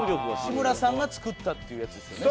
志村さんが作ったっていうやつですよね。